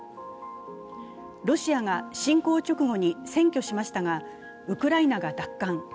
ロシアが侵攻直後に占拠しましたが、ウクライナが奪還。